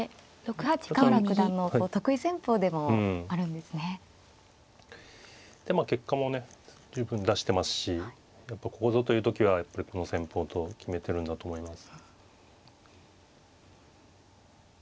でまあ結果もね十分出してますしここぞという時はやっぱりこの戦法と決めてるんだと思います。